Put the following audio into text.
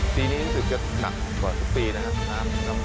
ปีนี้รู้สึกจะหนักกว่าทุกปีนะครับ